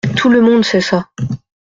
Tout le monde sait ça.